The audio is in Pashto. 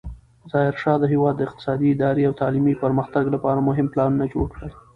ظاهرشاه د هېواد د اقتصادي، اداري او تعلیمي پرمختګ لپاره مهم پلانونه جوړ کړل.